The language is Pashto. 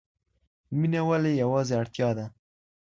مینه ولي یوازې اړتیا ده؟